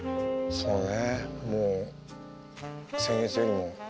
そうね